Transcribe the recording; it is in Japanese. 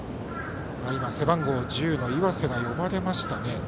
今、背番号１０の岩瀬が呼ばれましたね。